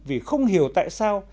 vì không hiểu tại sao